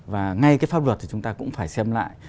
và ngay cái pháp luật thì chúng ta cũng phải xem lại